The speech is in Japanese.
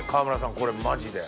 これマジで。